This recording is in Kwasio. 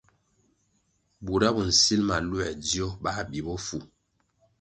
Bura bo sil ma luē dzio, bā bi bofu.